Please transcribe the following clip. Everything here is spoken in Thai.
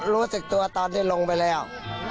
รู้สึกตัวตอนที่ลงไปแล้ว